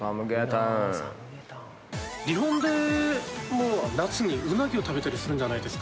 日本でも夏にうなぎを食べたりするじゃないですか。